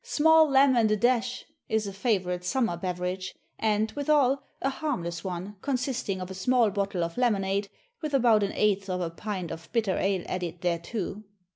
"Small lem. and a dash" is a favourite summer beverage, and, withal, a harmless one, consisting of a small bottle of lemonade with about an eighth of a pint of bitter ale added thereto.